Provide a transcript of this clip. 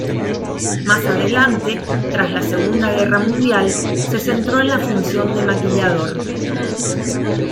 Más adelante, tras la Segunda Guerra Mundial, se centró en la función de maquillador.